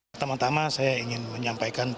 pertama tama saya ingin menyampaikan